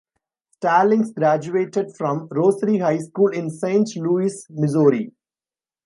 Stallings graduated from Rosary High School in Saint Louis, Missouri.